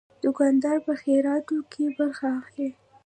دوکاندار په خیراتو کې برخه اخلي.